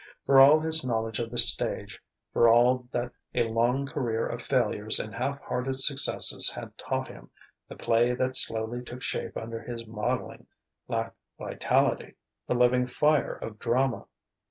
For all his knowledge of the stage, for all that a long career of failures and half hearted successes had taught him, the play that slowly took shape under his modelling lacked vitality the living fire of drama.